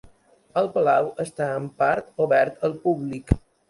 El palau està en part obert al públic.